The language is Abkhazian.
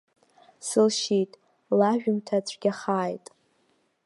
Сылшьит, лажәымҭа цәгьахааит!